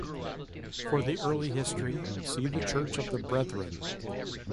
For the early history see Church of the Brethren.